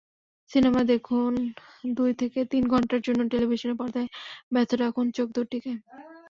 Cinema দেখুনদুই থেকে তিন ঘণ্টার জন্য টেলিভিশনের পর্দায় ব্যস্ত রাখুন চোখ দুটিকে।